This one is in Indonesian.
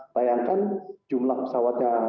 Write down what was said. bayangkan jumlah pesawatnya